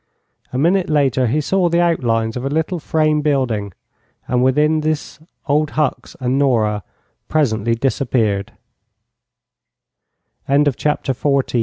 A minute later he saw the outlines of a little frame building, and within this Old Hucks and Nora presently disappeared. CHAPTER XV. THE MAN IN HIDING.